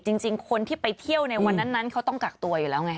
จริงคนที่ไปเที่ยวในวันนั้นเขาต้องกักตัวอยู่แล้วไง